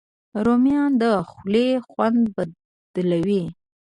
رومیان د خولې خوند بدلوي